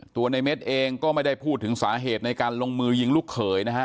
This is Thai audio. ตัวในเม็ดเองก็ไม่ได้พูดถึงสาเหตุในการลงมือยิงลูกเขยนะฮะ